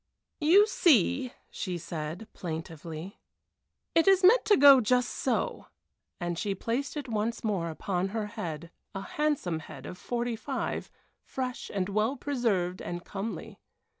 "You see," she said, plaintively, "it is meant to go just so," and she placed it once more upon her head, a handsome head of forty five, fresh and well preserved and comely.